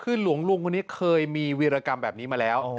คือหลวงลุงคนนี้เคยมีวีรกรรมแบบนี้มาแล้ว